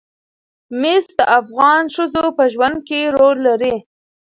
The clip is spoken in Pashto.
مس د افغان ښځو په ژوند کې رول لري.